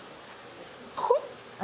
ここ！